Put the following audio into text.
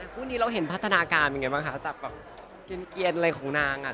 คู่นี้เราเห็นพัฒนาการเป็นไงบ้างคะจากแบบเกียรอะไรของนางอ่ะ